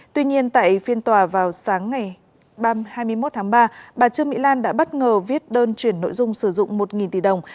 tuy nhiên tại phiên tòa vào sáng ngày hai mươi một tháng ba bà trương mỹ lan đã bất ngờ viết đơn chuyển nội dung sử dụng một tỷ đồng